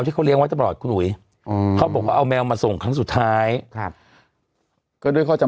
คุณแอนนา